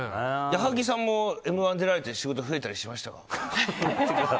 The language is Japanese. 矢作さんも「Ｍ‐１」出られて仕事増えたりしましたか？